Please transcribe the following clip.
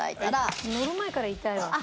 乗る前から痛いわ。